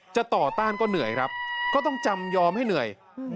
จะต่อต้านก็เหนื่อยครับก็ต้องจำยอมให้เหนื่อย